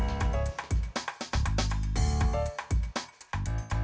pray lagi tempat ini